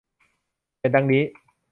เป็นดังนี้